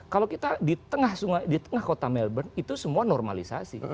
kalau kita di tengah kota melbourne itu semua normalisasi